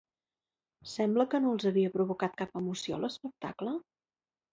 Sembla que no els havia provocat cap emoció l'espectacle?